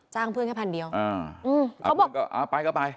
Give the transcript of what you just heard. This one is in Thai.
จ้างเพื่อนแค่พันเดียวเออเอาไปก็ไป